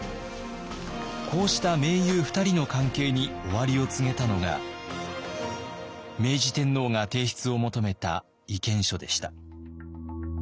こうした盟友２人の関係に終わりを告げたのが明治天皇が提出を求めた意見書でした。